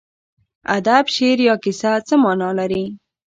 ادب، شعر یا کیسه څه مانا لري.